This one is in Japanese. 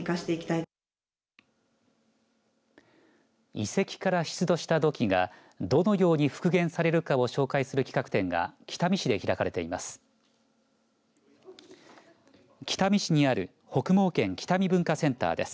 遺跡から出土した土器がどのように復元されるかを紹介する企画展が北見市で開かれています。